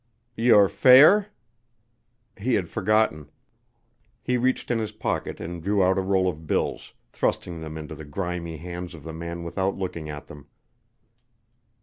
"Your fare?" He had forgotten. He reached in his pocket and drew out a roll of bills, thrusting them into the grimy hands of the man without looking at them.